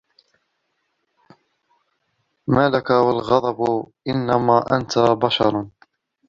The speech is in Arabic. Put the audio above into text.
مَا لَك وَالْغَضَبُ إنَّمَا أَنْتَ بَشَرٌ